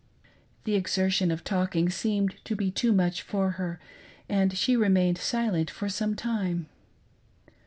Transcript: The exertion of talking seemed to be too much for her, and she remained silent for some time.